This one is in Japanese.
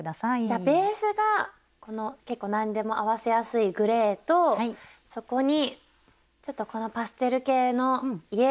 じゃあベースがこの結構何でも合わせやすいグレーとそこにちょっとこのパステル系のイエロー。